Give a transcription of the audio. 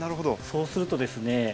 そうするとですね